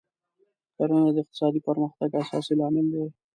کرنه د اقتصادي پرمختګ اساسي لامل دی.